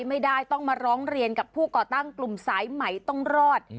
ไม่ได้ต้องมาร้องเรียนกับผู้ก่อตั้งกลุ่มสายใหม่ต้องรอด